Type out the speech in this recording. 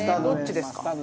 どっちですか？